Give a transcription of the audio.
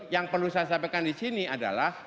yang perlu saya sampaikan disini adalah